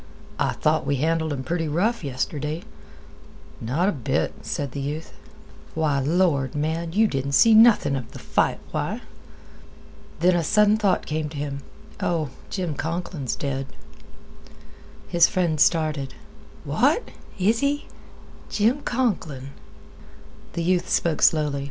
"I thought we handled 'em pretty rough yestirday." "Not a bit," said the youth. "Why, lord, man, you didn't see nothing of the fight. Why!" Then a sudden thought came to him. "Oh! Jim Conklin's dead." His friend started. "What? Is he? Jim Conklin?"